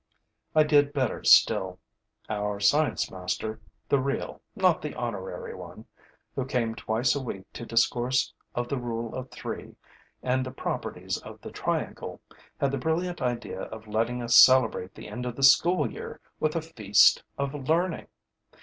I did better still. Our science master the real, not the honorary one who came twice a week to discourse of the rule of three and the properties of the triangle, had the brilliant idea of letting us celebrate the end of the school year with a feast of learning.